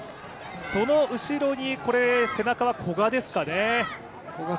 その後ろに、背中は古賀ですかね。